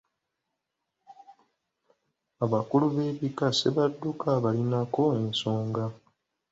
Abakulu b’ebika Ssebadduka abalinako ensonga.